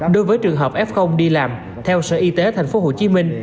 đối với trường hợp f đi làm theo sở y tế tp hcm